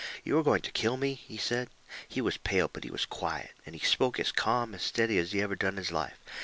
"You are going to kill me," he said. He was pale but he was quiet, and he spoke as calm and steady as he ever done in his life.